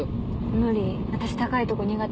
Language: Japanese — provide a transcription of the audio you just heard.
無理私高いとこ苦手だから。